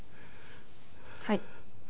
はい。